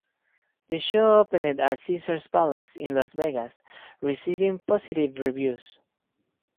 The show opened at Caesars Palace in Las Vegas, receiving positive reviews.